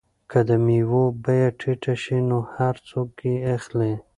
که د مېوو بیه ټیټه شي نو هر څوک یې اخلي.